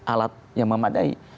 alat yang memadai